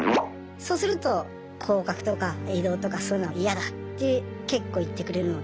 そうすると降格とか異動とかそういうのは嫌だって結構言ってくれるので。